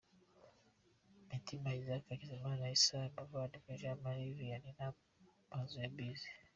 Mitima Isaac, Hakizimana Issa, Muvandimwe Jean Marie Vianney na Mpozembizi